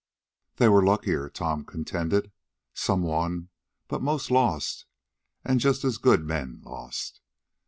"They were luckier," Tom contended. "Some won, but most lost, an' just as good men lost.